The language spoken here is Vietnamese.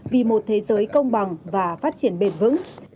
vì một thế giới công bằng và phát triển bền vững